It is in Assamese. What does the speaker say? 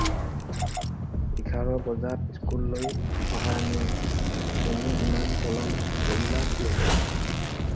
এঘাৰ বজাত স্কুললৈ অহাৰ নিয়ম, তুমি ইমান পলম কৰিলা কিয়?